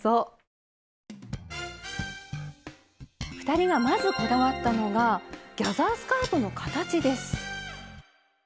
２人がまずこだわったのがギャザースカートの形です。